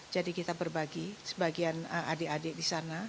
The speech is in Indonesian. jadi kita berbagi sebagian adik adik di sana